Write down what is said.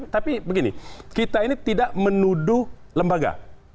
tapi begini kita ini tidak menuduh lembaga